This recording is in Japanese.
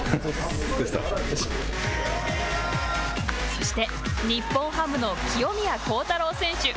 そして、日本ハムの清宮幸太郎選手。